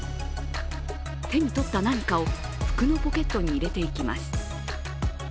手に取った何かを服のポケットに入れていきます。